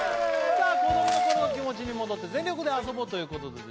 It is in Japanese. さあ子どもの頃の気持ちに戻って全力で遊ぼうということでですね